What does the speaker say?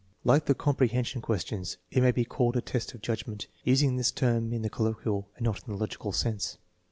Like the "comprehension ques tions," it may be called a test of judgment, using this term in the colloquial and not in the logical sense.